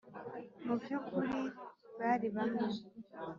mu byukuri bari bamwe.